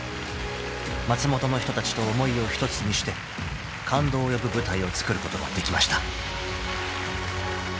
［松本の人たちと思いを一つにして感動を呼ぶ舞台をつくることができました］